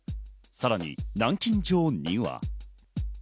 さらに南京錠には。